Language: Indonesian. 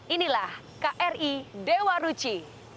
inilah kri dewa ruci